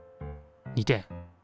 ２点。